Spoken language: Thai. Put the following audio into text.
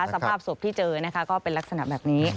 สภาพศพที่เจอนะคะก็เป็นลักษณะแบบนี้